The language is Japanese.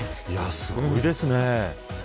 いや、すごいですね。